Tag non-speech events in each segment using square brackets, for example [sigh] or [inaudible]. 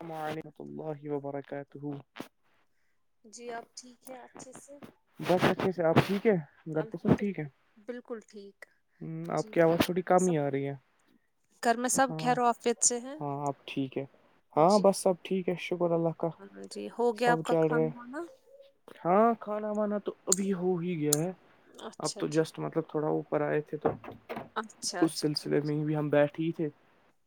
السلام علحمۃ اللہ وبرکاتہ جی آپ ٹھیک ہے اچھے سے بس ا ٹھ سے آپ ٹھیک ہے گھر تو سب الحمد ٹھیک ہے للہ بالکل ٹھیک ہ آپ جی کی جی آواز تھوڑی کام ہی آ سب رہی ہے گھر میں سب ہاں خیر و عافیت سے ہیں ہاں آپ ٹھیک ہے ہاں جی بس سب ٹھیک ہے شکر اللہ کا ہاں جی ہو گیا سب آپ کا چل رہے کھانا وانا ہاں کھانا وانا تو ابھی ہو ہی گیا ہے اب اچھا تو جی جسٹ مطلب تھوڑا وہ پر آئے تھے تو اچھا اس اچھا سلسلے ٹھیک ہے میں بھی ہم بیٹھے ہی تھے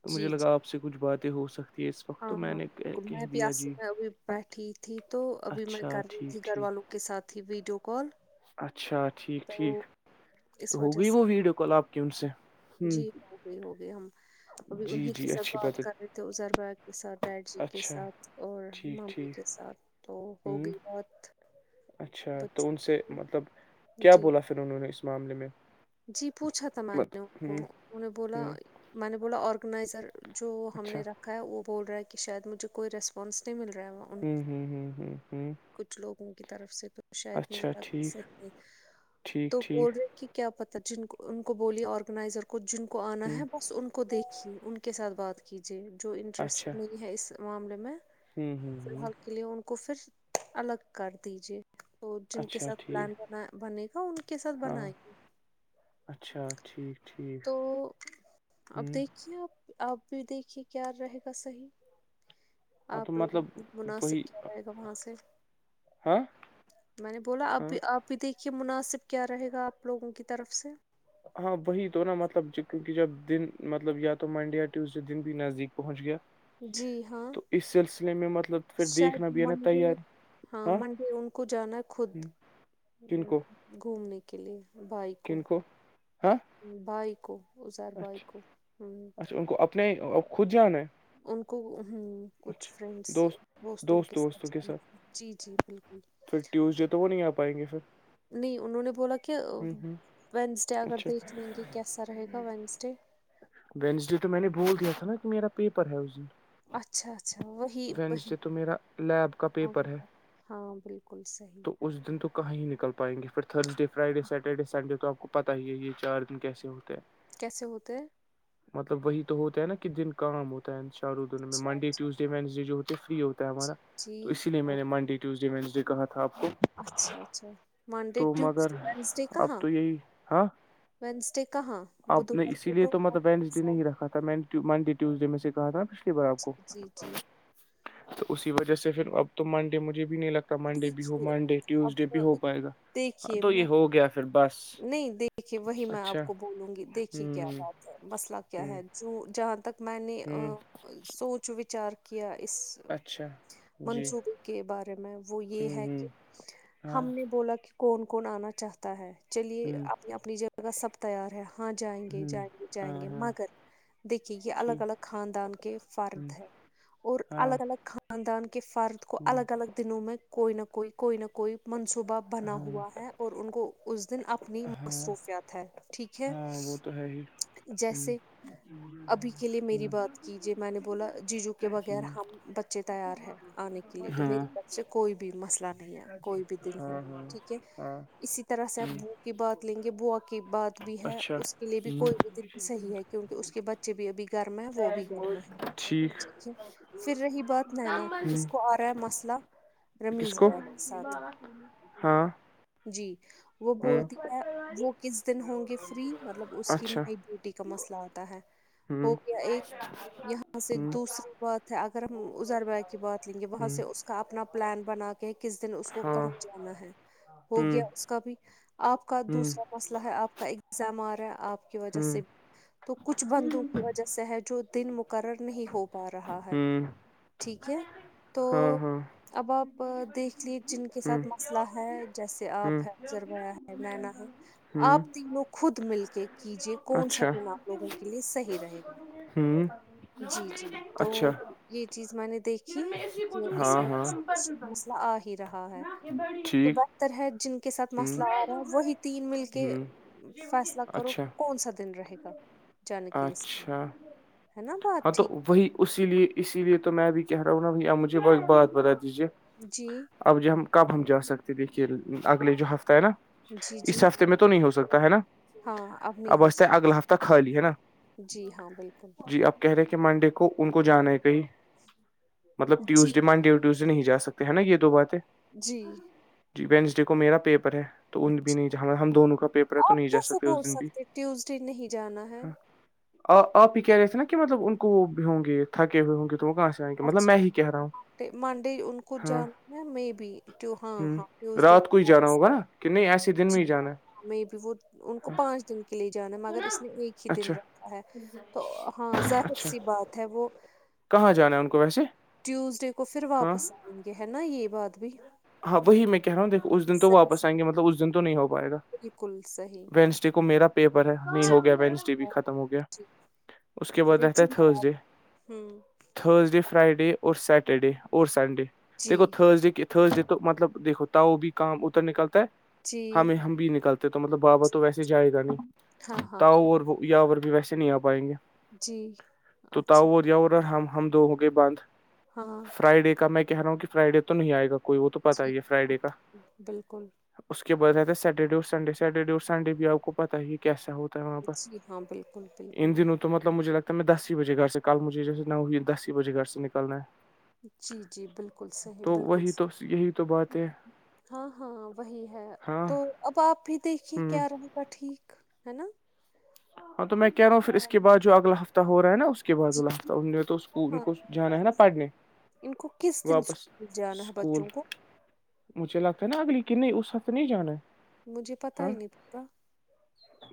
تو مجھے جی جی لگا آپ سے کچھ باتیں ہو سکتی ہے اس وقت تو ہاں میں ہاں نے کہہ میں کہہ دیا پیاس جی میں ابھی بیٹھی تھی تو ابھی میں اچھا کر رہی ٹھیک تھی گھر ٹھیک والوں کے ساتھ ت ویڈیو کال اچھا ٹھیک تو ٹھیک تو اس ہو وجہ گئی سے وہ ویڈیو کال آپ کی ان سے ہ جی ہو گئی ہوگی ہم ابھی جی انہیں کے جی ساتھ اچھی بات ہے کر رہے تھے ازر با کے ساتھ ڈیڈ جی کے اچھا ساتھ اور ٹھیک ممیمی ٹھیک کے ساتھ تو ہوں ہوگی بہت اچھا تو ان سے مطلب کیا جی بولا پھر انہوں نے اس معاملے میں جی پوچھا تھا میں مت نے ان کو ہوں انیں بولا ہوں میں نے بولا آرگنائزر جو ہم اچھا نے رکھا ہے وہ بول رہا ہے کہ شاید مجھے کوئی ریسپانس نہیں مل رہا ہے وہاں ان ہ ہ ہ ہ ہ کچھ لوگوں کی طرف سے تو شاید مجھے ب ٹھیک سیک ٹھیک تو بول ٹھیک رہے کہ کیا پت جن کو ان کو بولیے آرگنائزر کو جن کو آنا ہوں ہے بس ان کو دیکھیے ان کو کے ساتھ بات کیجیے جو اچھا انٹرسٹ نہیں ہے اس معاملے میں ہوں ہوں ہوں سال کے لیے ان کو پھر الگ کر دیجیے تو جن کے اچھا ساتھ ٹھیک پلان بنا بنے گا ان کے ساتھ ہاں بنائے گ اچھا ٹھیک ٹھیک تو اب ہوں دیکھیے آپ آپ بھی دیکھیے کیا رہے گا صحیح ہاں تو آپ لوگوں مطلب وہی مناسب کیا جائے گا وہاں سے ہاں میں نے بولا اب ہاں بھی آپ بھی دیکھیے مناسب کیا رہے گا آپ لوگوں کی طرف سے ہاں وہی تو نا مطلب کیونکہ جب دن مطلب یا تو منڈے یا ٹیوزڈے دن بھی نزدیک پہنچ گیا جی ہاں تو اس سلسلے میں مطلب پھر دیکھنا شاید بھی ہے نا منڈے تیاری ہاں منڈے ان کو جانا ہے خود ہوں، کن کو گھومنے کے لیے بائیکوں کن کو ہاں بھائیکوں اچھا اچھا ان کو اپنے اور خود جانا ہے ان کو ہ کچھ فرینڈس اچھا دوست دوستوں دوست کے ساتھ دوستوں ج جی جی بالکل پھر ٹیوزڈے تو وہ نہیں آ پائیں گے پھر نہیں انہوں نے بولا کہ ہ ہ وینسڈے اگر اچھا دیکھ دیں گے کیسا رہے گا وینسڈے وینسڈے تو میں نے بول دیا تھا نا کہ میرا پیپر ہے اس دن اچھا اچھا وہی وہی وینسڈے تو میرا لب کا پیپر ہے ہاں بالکل صحیح تو اس دن تو کہیں ہی نکل پائیں گے پھر تھرزڈے فرائیڈے سیٹرڈے سنڈے تو آپ پتا ہی ہے یہ چار دن کیسے ہوتے کیسے ہوتے ہیں مطلب وہی تو ہوتا ہے نا کس دن کام ہوتا چار دنوں میں اچھا منڈے اچھا ٹیوزڈے وینسڈے جو ہوتے ہیں فری ہوتا ہے ہمارا اچھا جی تو اسی لیے میں ہاں نے منڈے کے ٹیوزڈے وینسڈے کہاںا تھا آپ کو اچھا اچھا منڈے تو مگر ٹیوزڈے وینسڈے اب کہاں تو یہی ہاں وینسٹے کہ ہاں آپ نے بدھوار اسی لیے کو تو آپ مطلب کا وینڈسڈے ایگزام نہیں رکھا تھا منڈے ٹیوزڈے میں سے کہا تھا نا پچھلی بار آپ کو ہے۔ جی جی جی تو اسی وجہ سے پھر اب تو منڈے مجھے بھی نہیں لگتا منڈے بھی ہو چ منڈے اب ٹیوزڈے بھی ہو [unintelligible] پائے گا ہاں دیکھیے تو میں یہ ہو گیا پھر بس نہیں دیکھیے وہی میں اچھا آپ کو بولوں گی دیکھیے کیا ہ بات ہے مسئلہ ہ کیا ہے جو جہاں تک میں نے ہ سوچ وچار کیا اس اچھا جی منصوبے کے بارے میں وہ ہ یہ ہے ہ کہ ہاں ہم نے بولا کہ کون کون آنا چاہتا ہے چلیے ہ اپنی اپنی جگہ سب تیار ہے ہاں جائیں گے ہ جائیں گے جائیں ہاں گے ہاں مگر دیکھیے یہ ٹھیک الگ الگ خاندان کے ہ فرد ہے اور ہاں الگ الگ خان خاندان کے فرد کو ہوں الگ الگ دنوں میں کوئی نہ کوئی کوئی نہ کوئی منصوبہ بنا ہاں ہوا ہے اور ان کو اس دن اپنی ہاں مصروفیات ہے ٹھیک ہے ہاں وہ تو ہے ہی ہوں جیسے ابھی کے لیے میری ہوں بات کیجیے میں نے بولا جی جو کے بغیر ہوں ہم بچے تیار ہیں آنے کے لیے تو ہاں میری طرف سے کوئی بھی مسئلہ نہیں ہے کوئی بھی دن ہو ہاں ہاں ٹھیک ہے ہاں اسی طرح سے آپ ہ ب کی بات لیں گے بوک کی بات بھی ہے اچھا اس کے لیے ہ بھی کوئی بھی صحیح ہے کیونکہ اس کے بچے بھی ابھی گرم ہے وہ بھی گرم ہے ٹھیک پھر رہی بات نینا کی ہ اس کو آ رہا ہے مسئلہ کس رمیز کو بھیا کے ساتھ ہاں جی وہ ہ بولتی ہے وہ کس دن ہوں گے فری مطلب اس کی اچھا نائٹ ڈیوٹی کا مسئلہ آتا ہے ہ ہو گیا ایک یہاں سے ہ دوسری بات اگر ہم ازر بائے کی بات لیں گے وہاں ہ سے اس کا اپنا پلان بنا کے کس دن اس کو ہاں کہاں جانا ہے ہو ہ گیا اس کا بھی آپ کا دوسرا مسئلہ ہے آپ کا اگزام آ رہا ہے آپ کی ہ وجہ ہ سے بھی تو کچھ بندو کی وجہ سے ہے جو دن مقرر نہیں ہو پا رہا ہے ہ ٹھیک ہے تو ہاں ہاں اب آپ دیکھ لیے جن کے ہ ہ ساتھ ہ مسئلہ ہے جیسے آپ ہیں زربیا ہے نینا ہے آپ تینوں خود مل کے کیجیے کون سا اچھا دن آپ لوگوں کے لیے صحیح رہے گا ہ [inaudible] جی جی تو اچھا یہ چیز میں نے دیکھیھی کہ اس ہاں میں ہاں کچھ مسئلہ آ ہی رہا ہے تو ٹھیک بس ر ہے جن کے ساتھ ہ مسئلہ آ رہا ہے وہی تین مل کے ہ فیصلہ کرو اچھا کہ کون سا دن رہے گا جانے کے لیے اس لی اچھا ہے نا بات ہاں تو ٹھیک وہی اسی لیے اسی لیے تو میں بھی کہہ رہا ہوں نا بھ آپ مجھے وہ ایک بات بتا دیجیے جی اب ج ہم کب ہم جا سکتے دیکھیے اگلے جو ہفتہ ہے نا جی، اس جی، ہفتے میں تو تو نہیں ہو سکتا ہے نا ہاں، اب نہیں ہو ابچتے سکتا اگلا ہفتہ خالی ہے نا جی ہاں، بالکل، جی اب کہ رہے کہ منڈے کو ان کو جانا ہے کہیں مطلب جی، ٹیوزڈے منڈےٹی ے نہیں جا سکتے ہے نا یہ دو باتیں جی جی وینسڈے کو میرا پیپر ہے تو ان بھی جی، نہیں ج ہم دونوں کا پیپر ہے تو آپ نہیں جا کیسے سکتے اس بول دن بھی سکتے ٹیوزڈے نہیں جانا ہے؟ ہاں آپ آپ ہی کہہ رہے نا کہ مطلب ان کو وہ بھی ہوں گے تھے ہوئے ہوں گے تو وہ کہاں سے آئیں گےطلب اچھا، میں ہی کہہ رہاوں منڈے ان کو جانا ہے م بی ہاں ہ ہاں ٹیوزڈے رات کو جانا ہوگا کہ نہیں ایسے دن میں ہی جانا ہے م بھی وہ ان کو پانچ دن کے لیے جانا مگر اس نے ایک ہی دن اچھا رکھا ہے تو ہاں ظاہر اچھا سی بات ہے وہ کہاں جانا ہے ان کو ویسے ٹیوزڈے کو پھر ہاں واپس آئیں گے ہے نا یہ بات بھی ہاں وہی میں کہہ رہا ہوںیکھ اس دن تو واپس آئیں گے مطلب اس دن تو نہیں ہو پائے گا بکل صحیح وینسڈے کو میرا پیپر ہے نہیں جی ہو گیا وینس ڈے بھی ہاں ختم ہو گیا جی اس کے بعد پھر رہتا جی ہے تھرز میڈم ڈے ہوں تھرز ڈے فرائیڈے اور سیٹرڈے اور سنڈے د جی گو تھرزڈے کہ تھرزڈے تو مطلب دیکو تاؤ بھی کام اتر نکلتا ہے جی ہمیں ہم بھی نکلتے تو مطلب بابا تو ویسے جائے گا نہیں ہاں ہاں تاؤ اور یاور بھی ویسے نہیں آ پائیں گے جی تو اچھا تاور یاور ہم ہم دگوں کے بند ہاں فرائیڈے کا میں کہہ رہا ہوں کہ فرائیڈے تو نہیں آئے گا کوئی وہ تو پتا جی ہی ہے ہاں فرائیڈے کا بالکل اس کے بعد رہتا ہے سیٹرڈے اور سنڈے سیٹرڈے اور سنڈے بھی آپ کو پتا ہی کیا سا ہوتا وہاں پر جی ہاں بالکل بالکل ان دنوں تو مطلب مجھے لگتا ہے میں دس ہی بجے گھر سے کل مجھےیسے نوئی دس ہی بجے گھر سے نکلنا ہے جی جی بالکل صحیح تو بالکل وہی تو یہی تو بات ہے ہاں ہاں وہی ہے ہاں تو اب آپ بھی دیکھیے ہ کیا کا ٹھیک ہے نا ہاں تو میں کہہ رہا ہوں پھر اس کےعد جو اگلا ہفہ ہو رہا ہےا اس کے کے بعد جی الف ان نے تو اس ان ہاں کو جانا ہے نا پڑھنے ان کو کس دن واپس اسکول جانا ہے اسکول بچوں کو مجھے لگتا ہے نا اگلی ک نہیں اس ہفتے نہیں جانا ہے مجھے پتا ہاں ہی نہیں پا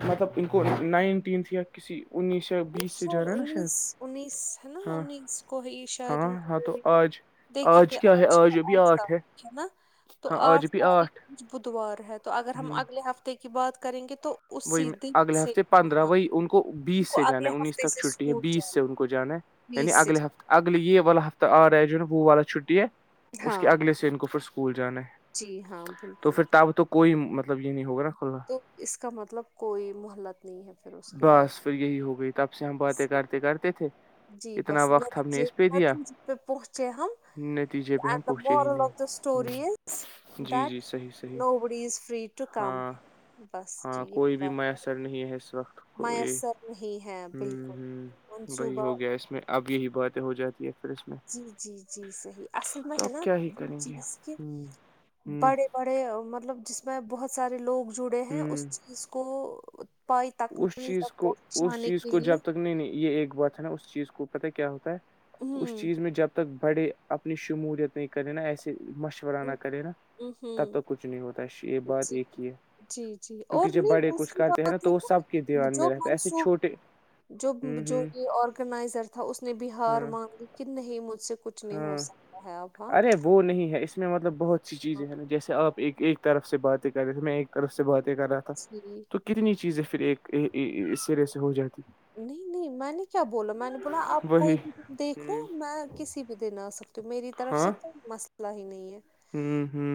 مطلب ان کو نائنٹینھ یا کسی انیس یا بیس سے جا شاید رہا ہے نا انیس انیس ہے نا ہاں انیس کو ہے شاید ہاں ان کو ہاں د تو رہی آج دیکھی آ کیا ہے آج ابھی آٹھ ہے کل دیک تو ہاں آج آٹھ ابھی تاریخ بدھوار ہے تو اگر ہ ہم اگلے ہفتے کی بات کریں گے تو وہی اسی دن اگلے سے ہفتے پندرہ ہاں وہی ان کو ان بیس کو سے جان اگلے انیس ہفتے تک سے چھٹی ہے اسکول بیس جانا سے ان کو جانا ہے یعنی بیس سے اگلے ہفتے اگلے یہ والا ہفتہ آ رہا ہے جو نا وہ والا چھٹی ہے اس کے ہاں اگلے سے ان کو پھر اسکول جانا ہے جی ہاں تو بالکل پھر تب تو کوئی مطلب یہ نہیں ہوگا نا کھنا تو اس کا مطلب کوئی مہلت نہیں ہے پھر اس کے بعد بس پھر یہی ہو گئی ت آپ سے ہم باتیں کرتے کرتے تھے جی اتنا بس وقت ہم نے نتیجے اس پہ دیا نتیجے پہ پہنچے ہم نتیجے پہ ہم م پہنچے ہی نہیں لوگ دا اسٹوری ہوں، از جی دیٹ جی صحیح صحیح نو بڑی از فری ٹو کم ہاں بس ہاں جٹی کوئی بھی میسر نہیں ہے اس وقت کو یہ نہیں ہے ہ بالکل ہوں وہی منصوبہ ہو گیا اس میں اب یہی باتیں ہو جاتی ہے پھر اس میں جی جی جی صحیح اصل میں تو ہے اب نا کیا ہی یہ کریں گے چیز کے ہ ہ بڑے بڑے مطلب جس میں بہت سارے لوگ جڑے ہیں اس ہ چیز کو پائی اس تکمیل چیز تک کو اس پہنچانے چیز کے کو لیے جب تک نہیں نہیں یہ ایک بات ہے نا اس چیز کو پتا کیا ہوتا ہے اس ہوں چیز میں جب تک بڑے اپنی شمولیت نہیں کرے نا ایسے مشور ہوں کرینا تب ہوں توک کچھ نہیں ہوتا یہ بات جی ایک ہی ہے جی جی اور کیونکہ جب نہیں بڑے کچھ دوسری کرتے ہیں نا بات ہے تو وہ سب کے کہ دھیان جو میں رہتا ہے ایسے منسوخ چھوٹے جو ہ جو ہ یہ آرگنائزر تھا اس نے بہار ہاں مانگ لی ک نہیں مجھ سے کچھ نہیں ہو ہاں سکتا ہے اب ہاں ارے وہ نہیں ہے اس اس میں مطلب بہت سی چیزیں ہیں ن جیسے آپ ایک طرف سے باتیں کر رہے میں ایک طرف سے باتیں کر رہا تھا جی تو کتنی چیزیں پھر ایک اس سرے سے ہو جاتی ہیں نہیں نہیں میں نے کیا بولا میں نے بولا آپ ہیں۔ وہی کوئی بھی دیکھ لو ہ میں کسی بھی دن آ سکتی ہوں میری طرف سے کوئی مسئلہ ہی نہیں ہے ہوں ہوں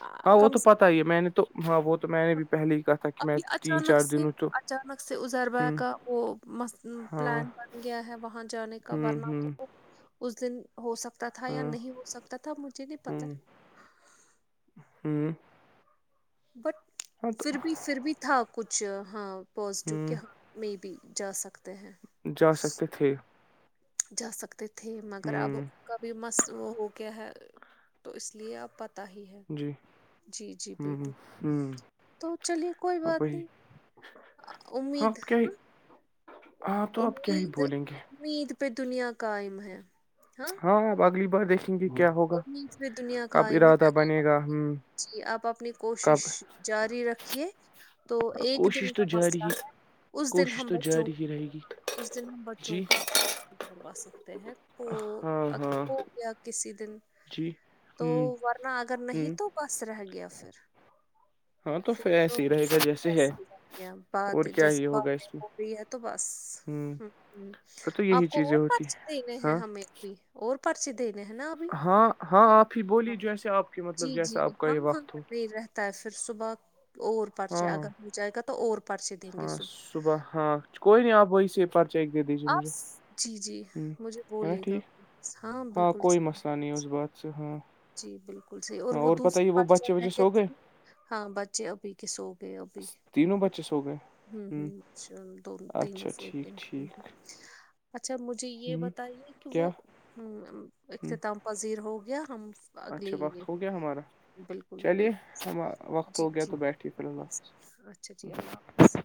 آ، ہاں وہ کم تو سے پتا ہی ہے میں نے تو ہاں وہ تو میں نے کم بھی پہلے ہی کہا تھا کہ میں ابھی تین اچانک چار دن سے ہوں تو اچانک سے ہ ازربا کا وہ ہاں پلان بن گیا ہے وہاں جانے ہ کا ورنہ ہ اس دن ہو سکتا تھا یا ہاں نہیں ہو سکتا تھا مجھے نہیں پتاہ ہوں بٹ پھر بھی پھر بھی تھا کچھ ہاں پازیٹیو کیااں ہ میں بھی جا سکتے ہیں جا سکتے تھے جا سکتے تھے ہ مگر اب کا بھی مس وہ ہو گیا ہے تو اس لیے آپ پ پ ہی ہے جی جی جی ہ بالکل ہ تو چلیے کوئی بات وہی نہیں ہاں امید آپ کیا ہی ہاں تو آپ کیا ہی امید بولیں گے امید پہ دنیا کاائم ہے ہاں ہاں آپ اگلی بار دیکھی بھی کیا ہو دنیا کائم ہے نا گا ہ جی آپ اپنی کوشش کب جاری رکھیے تو ایک دن کوشش تو کا جاری مسئلہ ہی ہے اس دن کوشش ہم تو بچوں جاری ہی رہے گی اس دن ہم بچوں جی کا کروا سکتے ہیں ہاں ہاں کسی دن جی ہ تو ہ ورنہ اگر نہیں تو بس رہ گیا پھر ہاں پھر تو ایسے ہی رہے گا جیسے ہے اور بات کیا جیسے ہی ہوگا باتیں اس میں ہو رہی ہے تو بس ہ ہ پھر تو یہی آپ کو چیزیں اور ہوتی ہیں۔ دینے ہیں ہاں ہمیں بھی اور پرچی دینے ہیں نا ابھی ہاں ہاں آپ ہی ہاں بولی جیسے آپ کے مطلب جیسا آپ کا یہ وقت ہو ت پھر صبح اور پرچے ہاں ہاں اگر ہو جائے گا تو اور پرچے دیں گے ہاں صبح صبح ہاں کوئی نہیں آپ وہی سے چیک دے دیجیے آپ مجھے س- جی جی مجھے ہے نا بولیے گا ٹھیک ہاں بالکل کوئی صحیح مسئلہ نہیں ہے اس بات اچھا ہاں جی بالکل صحیح اور ہاں وہ پت دوسرے یہ وہ پاس جل بچے رہ وچے ہے گ سو گئے ہاں بچے ابھی کے سو گئے ابھی تینوں بچے سو گئے ہ ہ اچھا دوون تین اچھا سوتے ٹھیک ٹھیک اچھا مجھے ہ یہ بتائیے کہ کیا وہ ہ ہ اختتام پذیر ہو گیا ہم اگلی اچھا وقت یہ ہو گیا ہمارا بالکل چلیے بالکل ہم وقت جی ہو گیا جی تو بیٹھیے پھر اللہ بالکل اچھا جی اللہ حافظ حافظ